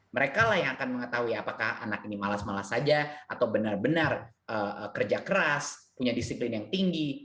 mereka lah yang akan mengetahui apakah anak ini malas malas saja atau benar benar kerja keras punya disiplin yang tinggi